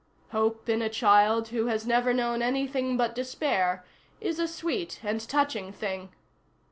Hope in a child who has never known anything but despair is a sweet and touching thing.